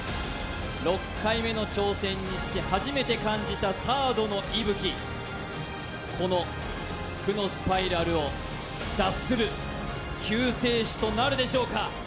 ６回目の挑戦にして初めて感じたサードの息吹この負のスパイラルを脱する救世主となるでしょうか？